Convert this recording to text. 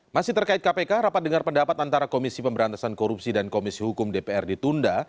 masih terkait kpk rapat dengar pendapat antara komisi pemberantasan korupsi dan komisi hukum dpr ditunda